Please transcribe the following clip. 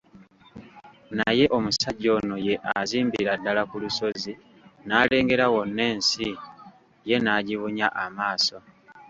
Naye omusajja ono ye azimbira ddala ku lusozi n'alengera wonna ensi ye n'agibunya amaaso.